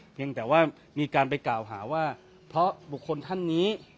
เพียงแต่ว่ามีการไปกล่าวหาว่าเพราะบุคคลท่านนี้